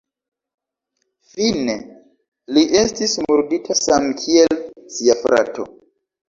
Fine li estis murdita samkiel sia frato.